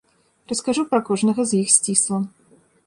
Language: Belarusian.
Раскажу пра кожнага з іх сцісла.